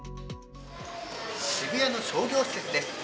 渋谷の商業施設です。